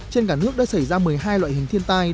trên cả nước đã xảy ra một mươi hai loại hình thiên tai